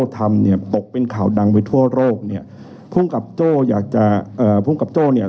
ทำเนี่ยตกเป็นข่าวดังไปทั่วโลกเนี่ยภูมิกับโจ้อยากจะเอ่อภูมิกับโจ้เนี่ย